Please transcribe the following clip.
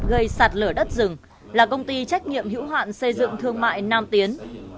gây sạt lở đất rừng là công ty trách nhiệm hữu hạn xây dựng thương mại nam tiến